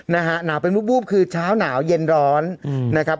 นะฮะหนาวเป็นวูบคือเช้าหนาวเย็นร้อนนะครับ